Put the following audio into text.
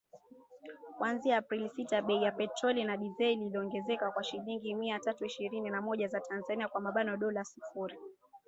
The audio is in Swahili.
kuanzia Aprili sita, bei ya petroli na dizeli iliongezeka kwa shilingi mia tatu ishirini na moja za Tanzania (Dola sufuri).